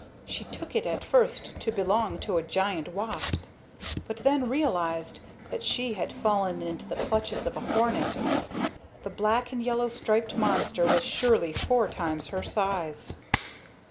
She took it at first to belong to a gigantic wasp, but then realized that she had fallen into the clutches of a hornet. The black and yellow striped monster was surely four times her size.